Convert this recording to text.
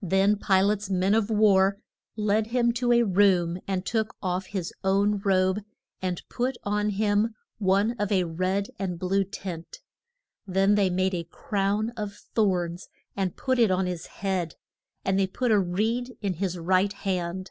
Then Pi late's men of war led him to a room, and took off his own robe, and put on him one of a red and blue tint. Then they made a crown of thorns and put it on his head; and they put a reed in his right hand.